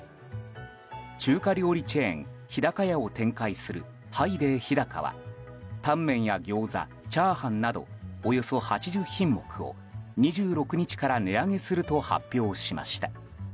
中華料理チェーン日高屋を展開するハイデイ日高はタンメンや餃子、チャーハンなどおよそ８０品目を２６日から値上げすると発表しました。